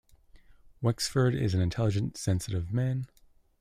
Wexford is an intelligent, sensitive man.